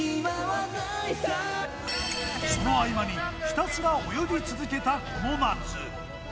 その合間にひたすら泳ぎ続けたこの夏。